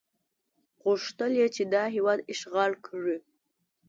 غوښتل یې چې دا هېواد اشغال کړي.